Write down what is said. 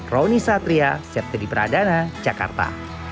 rony satria serti di pradana jakarta